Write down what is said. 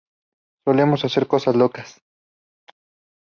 Solemos hacer cosas locas.